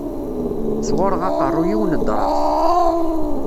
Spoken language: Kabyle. Sɣureɣ aqerru-iw nedreɣ-t.